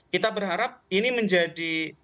kita berharap ini menjadi